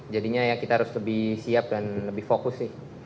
jadinya ya kita harus lebih siap dan lebih fokus sih